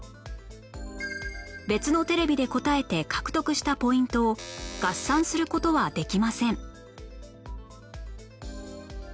別のテレビで答えて獲得したポイントを合算する事はできません